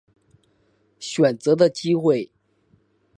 选择的机会